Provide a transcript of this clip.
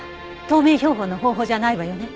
透明標本の方法じゃないわよね？